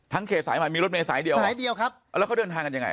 ทั้งเขตสายไหมมีรถเมสายเดียวเหรอแล้วก็เดินทางกันยังไง